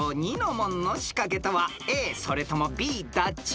門の仕掛けとはＡそれともＢどっち？］